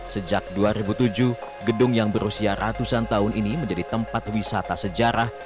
sejak dua ribu tujuh gedung yang berusia ratusan tahun ini menjadi tempat wisata sejarah